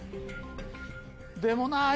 でもなぁ。